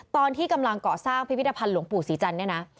ตอนที่กำลังเกาะสร้างพิพิธภัณฑ์หลวงปู่ศรีจันทร์เนี่ยนะ